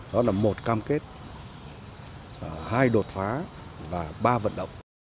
đó là một cam kết hai đột phá và ba vận động